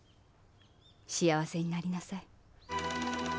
幸せになりなさい。